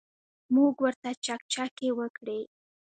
موږ ورته چکچکې وکړې.